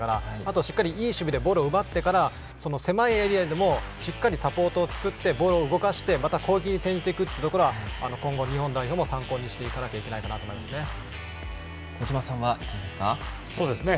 しっかりいい守備でボールを奪って、狭いエリアでもしっかりサポートを作ってボールを動かして攻撃に転じるところは今後、日本代表も参考にしていかなければいけないかな小島さんはいかがですか？